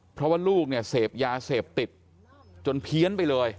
เพราะว่าลูกเนี่ยเสพยาเสพติดจนเพี้ยนไปเลย